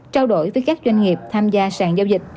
trao đổi với các doanh nghiệp tham gia sản dấu dịch